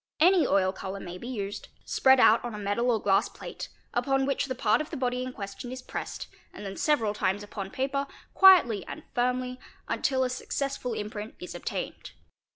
Any oil colourmay — be used, spread out on a metal or glass plate, upon which the part of the — body in question is pressed and then several times upon paper, quietly and firmly, until a successful imprint is obtained.